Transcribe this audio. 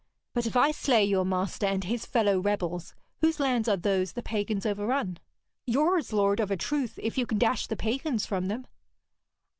'But if I slay your master and his fellow rebels, whose lands are those the pagans overrun?' 'Yours, lord, of a truth, if you can dash the pagans from them.'